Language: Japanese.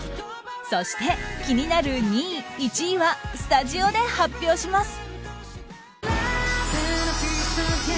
そして気になる２位、１位はスタジオで発表します！